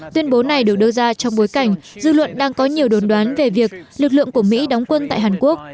tuyên bố này được đưa ra trong bối cảnh dư luận đang có nhiều đồn đoán về việc lực lượng của mỹ đóng quân tại hàn quốc